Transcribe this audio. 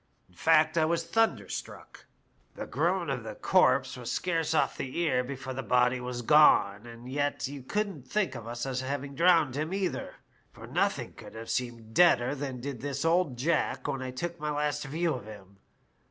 In fact, I was thunderstruck. The groan of the corpse was scarce off the ear before the body was gone, and yet you couldn't think of us as having drowned him either, for nothing could have seemed deader than did this old Jack when I took my last view of him.